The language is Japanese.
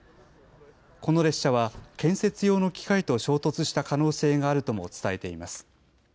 この列車は建設用の機械と衝突した可能性があるとも伝えています。